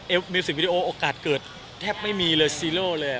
มิวสิกวิดีโอโอกาสเกิดแทบไม่มีเลยซีโร่เลย